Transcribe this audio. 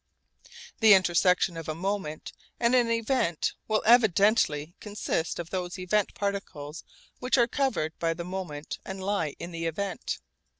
The intersection of a moment and an event will evidently consist of those event particles which are covered by the moment and lie in the event.